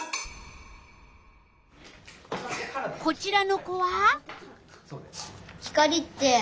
こちらの子は？